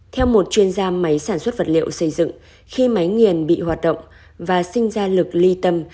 theo một chuyên gia máy sản xuất vật liệu xây dựng khi máy nghiền bị hoạt động và sinh ra lực ly tâm